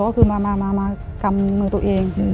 ก็คือมากำมือตัวเอง